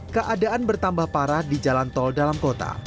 keadaan bertambah parah di jalan tol dalam kota